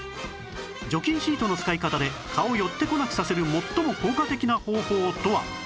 除菌シートの使い方で蚊を寄ってこなくさせる最も効果的な方法とは？